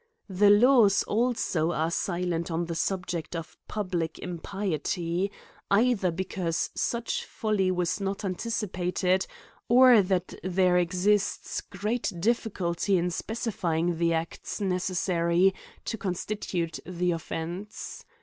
The laws also are silent on the subject of public impiety ; either, because such folly was not anticipated, or, that there exists great difli culty in specifying the acts necessary to constitute the off*ence.